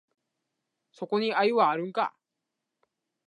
そこに愛はあるんか？